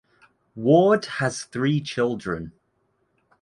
Ward has three children.